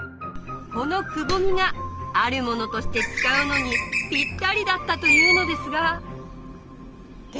このくぼみがあるものとして使うのにピッタリだったというのですがで